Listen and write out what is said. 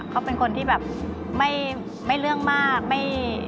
เขาเป็นคนที่แบบไม่เรื่องมาก